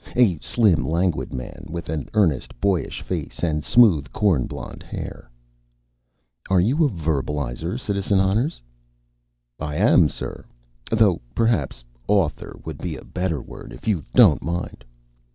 A slim, languid man with an earnest, boyish face and smooth, corn blond hair._) "You are a verbalizer, Citizen Honners?" "I am, sir. Though perhaps 'author' would be a better word, if you don't mind."